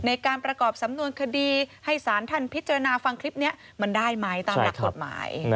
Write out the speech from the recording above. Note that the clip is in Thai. ในการประกอบสำนวนคดีให้สารท่านพิจารณาฟังคลิปนี้มันได้ไหมตามหลักกฎหมาย